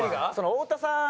太田さん